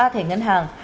ba thẻ ngân hàng